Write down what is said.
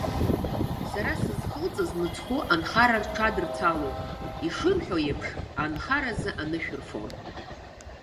Сара сызхылҵыз мыцхәы анхара рҽадырцалон, ишырҳәо еиԥш, анхаразы анышә рфон.